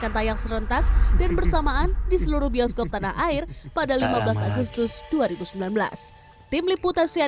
kita mengambil rumah pilih